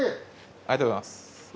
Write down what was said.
ありがとうございます。